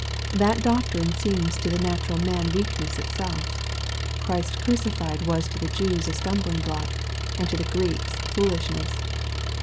That doctrine seems to the natural man weakness itself. Christ crucified was to the Jewa a stumbling block, and to the Greeks foolishness.